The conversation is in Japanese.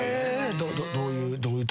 どういう？